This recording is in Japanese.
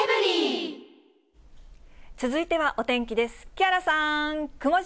続いてはお天気です。